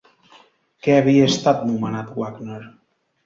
Què havia estat nomenat Wagner?